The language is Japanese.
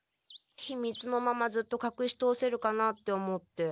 ひみつのままずっとかくし通せるかなって思って。